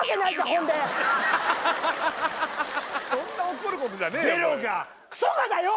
ほんでそんな怒ることじゃねえよ